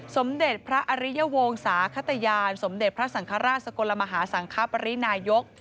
สมเด็จพระอริยวงศาขตยานสมเด็จพระสังฆราชสกลมหาสังคปรินายก